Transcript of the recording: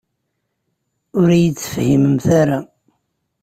Ur iyi-tefhimemt ara.